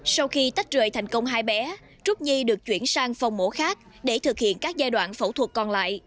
sau khi tách rời thành công hai bé trúc nhi được chuyển sang phòng mổ khác để thực hiện các giai đoạn phẫu thuật còn lại